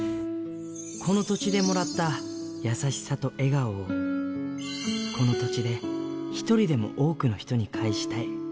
この土地でもらった優しさと笑顔を、この土地で一人でも多くの人に返したい。